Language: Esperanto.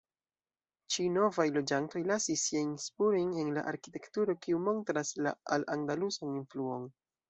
Ĉi novaj loĝantoj lasis siajn spurojn en la arkitekturo kiu montras la al-andalusan influon.